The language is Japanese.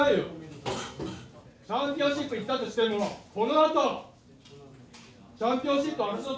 チャンピオンシップいったとしてもこのあとチャンピオンシップ争って。